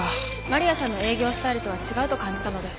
丸谷さんの営業スタイルとは違うと感じたので。